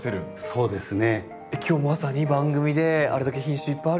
そうですね。